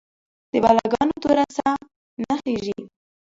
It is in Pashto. د بلا ګانو توره ساه نڅیږې